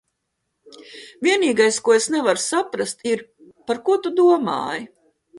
Vienīgais, ko es nevaru saprast, ir, par ko tu domāji?